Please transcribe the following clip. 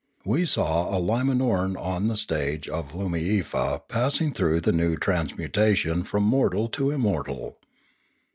We saw a Limanoran on the stage in Loomiefa passing through the new transmutation from mortal to im mortal.